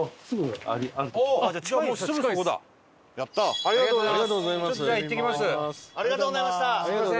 ありがとうございます。